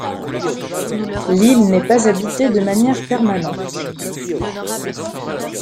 L'île n'est pas habitée de manière permanente.